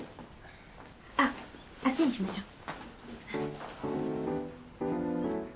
あっあっちにしましょう。